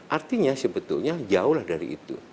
artinya sebetulnya jauh dari itu